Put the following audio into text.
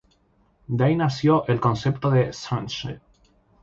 De ahí nació el concepto de "Sgt.